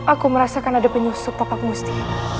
aku merasakan ada penyusup bapak musti